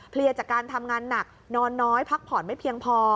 จากการทำงานหนักนอนน้อยพักผ่อนไม่เพียงพอ